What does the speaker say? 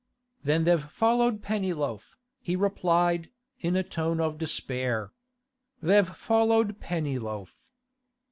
'Then they've followed Pennyloaf,' he replied, in a tone of despair. 'They've followed Pennyloaf.